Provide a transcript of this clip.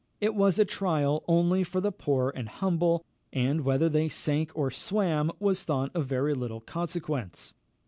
It was a trial only for the poor and humble, and, whether they sank or swam, was thought of very little consequence.